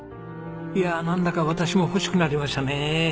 いやなんだか私も欲しくなりましたね。